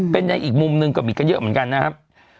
เป็นในอีกมุมหนึ่งก็มีกันเยอะเหมือนกันนะครับ